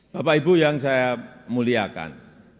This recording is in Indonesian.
bapak ibu yang saya muliakan